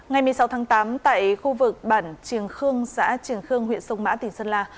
ngày một mươi sáu tháng tám tại khu vực bản trường khương xã trường khương huyện sông mã tỉnh sơn la